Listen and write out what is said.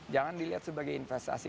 jangan dilihat sebagai investasi